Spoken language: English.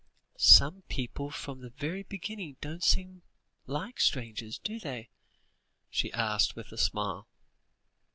Some people from the very beginning don't seem like strangers, do they?" she asked, with a smile.